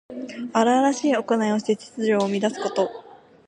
荒々しいおこないをして秩序を乱すこと。